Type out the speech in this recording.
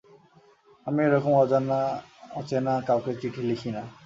আমি এ রকম অজানা-অচেনা কাউকে চিঠি লিখি না।